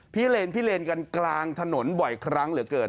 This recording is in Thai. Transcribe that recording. เลนพิเลนกันกลางถนนบ่อยครั้งเหลือเกิน